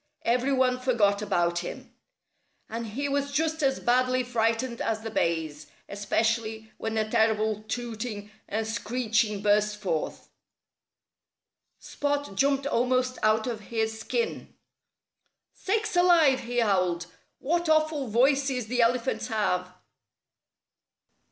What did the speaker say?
Every one forgot about him. And he was just as badly frightened as the bays, especially when a terrible tooting and screeching burst forth. Spot jumped almost out of his skin. "Sakes alive!" he howled. "What awful voices the elephants have!"